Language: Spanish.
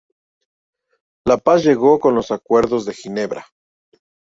La paz llegó con los Acuerdos de Ginebra.